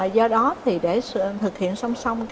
do đó thì để thực hiện song song